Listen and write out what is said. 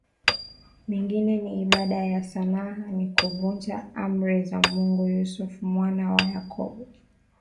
mingine na ibada ya sanamu ni kuvunja Amri za Mungu Yusufu mwana wa Yakobo